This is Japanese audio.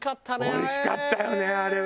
おいしかったよねあれは。